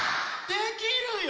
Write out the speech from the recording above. できるよ。